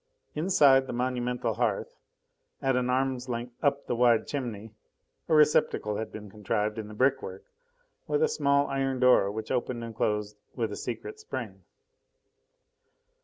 Inside the monumental hearth, at an arm's length up the wide chimney, a receptacle had been contrived in the brickwork, with a small iron door which opened and closed with a secret spring.